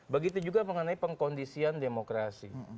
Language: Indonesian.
begitu juga mengenai pengkondisian demokrasi